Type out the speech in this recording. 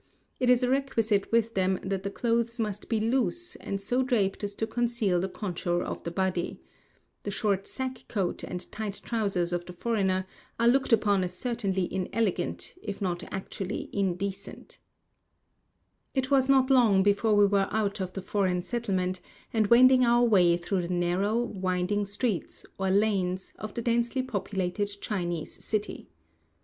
It is a requisite with them that the clothes must be loose, and so draped as to conceal the contour of the body. The short sack coat and tight trousers of the foreigner are looked upon as certainly inelegant, if not actually indecent. 198 Across Asia on a Bicycle WINDMILLS AT TONG KU FOR RAISING SALT WATER. It was not long before we were out of the foreign settlement, and wending our way through the narrow, winding streets, or lanes, of the densely populated Chinese city.